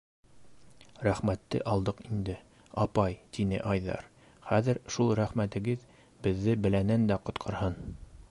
- Рәхмәтте алдыҡ инде, апай, - тине Айҙар, - хәҙер шул рәхмәтегеҙ беҙҙе бәләнән дә ҡотҡарһын.